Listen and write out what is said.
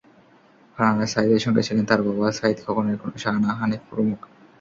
ফারহানা সাঈদের সঙ্গে ছিলেন তাঁর বাবা, সাঈদ খোকনের বোন শাহানা হানিফ প্রমুখ।